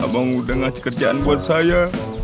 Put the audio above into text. bang udah ngasih kerjaan buat saya